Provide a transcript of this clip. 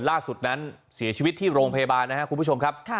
ล่าสุดนั้นเสียชีวิตที่โรงพยาบาลนะครับคุณผู้ชมครับ